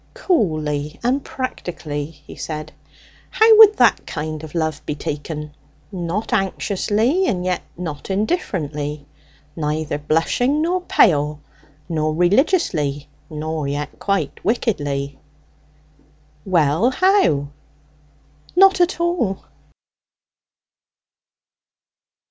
"Coolly and practically," he said. "How would that kind of love be taken?" "Not anxiously, and yet not indifferently; neither blushing nor pale; nor religiously nor yet quite wickedly." "Well, how?" "Not at all."